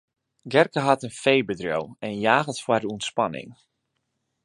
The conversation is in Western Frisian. Gerke hat in feebedriuw en jaget foar de ûntspanning.